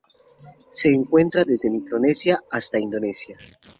Se encuentra desde Micronesia hasta Indonesia.